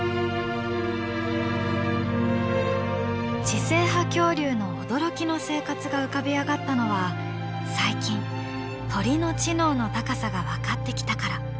知性派恐竜の驚きの生活が浮かび上がったのは最近鳥の知能の高さが分かってきたから。